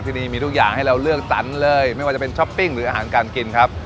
ที่นี่มีทุกอย่างให้เราเลือกสรรเลยไม่ว่าจะเป็นช้อปปิ้งหรืออาหารการกินครับ